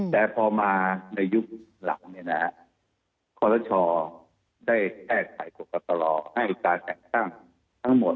แต่พอมาในยุคหลังครศชได้แก้ไขของโบกศลให้การแข่งกล้างทั้งหมด